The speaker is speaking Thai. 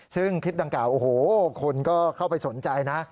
ซึ่งคลิปดังกล่าวโอ้โหคนก็เข้าไปสนใจนะ